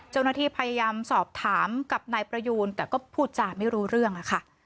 เจ้าหน้าที่พยายามสอบถามกับนายประยูนแต่ก็พูดจาไม่รู้เรื่องค่ะ